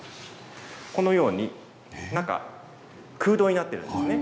このように中が空洞になっているんですね。